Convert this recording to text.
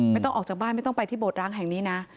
ไม่ต้องออกจากบ้านไม่ต้องไปที่โดดร้างแห่งนี้นะ